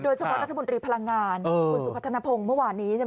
โดยเฉพาะรัฐมนตรีพลังงานคุณสุขธนพงษ์เมื่อวานนี้